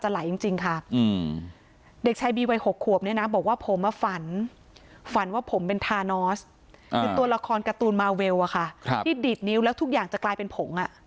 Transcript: สลายจริงค่ะเด็กชายบีไว้๖ขวบเนี่ยนะบอกว่าผมมาฝันฝันว่าผมเป็นทานอสตัวละครการตูนมาเวลว่าค่ะที่ดีดนิ้วแล้วทุกอย่างจะกลายเป็นผมอ่ะ